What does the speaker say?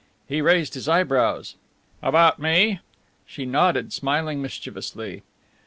He raised his eyebrows. "About me?" She nodded, smiling mischievously.